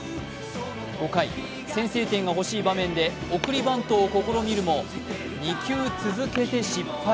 ５回、先制点が欲しい場面で送りバントを試みると２球続けて失敗。